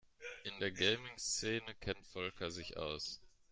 In der Gaming-Szene kennt Volker sich aus.